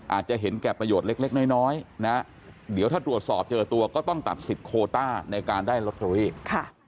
อาจจะเห็นแก่ประโยชน์เล็กน้อยนะเดี๋ยวถ้าตรวจสอบเจอตัวก็ต้องตัดสิทธิโคต้าในการได้ลอตเตอรี่